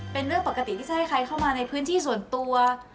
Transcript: เป็นเรื่องปกติที่จะให้ใครเข้ามาในพื้นที่ส่วนตัว